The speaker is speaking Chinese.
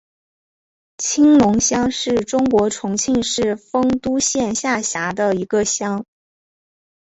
青龙乡是中国重庆市丰都县下辖的一个乡。